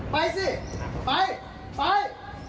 ไปสิไปไป